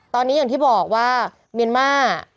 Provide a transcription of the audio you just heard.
ตอนนี้อย่างที่บอกว่าเมียนมาร์